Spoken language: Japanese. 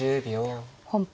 本譜